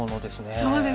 そうですね。